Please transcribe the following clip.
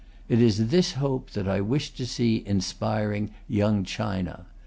It is this hope that I wish to see inspiring Young China.